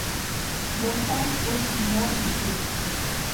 Bertan ez inor bizi.